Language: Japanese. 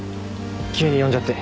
急に呼んじゃって。